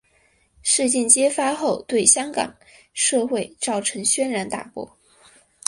事件揭发后对香港社会造成轩然大波。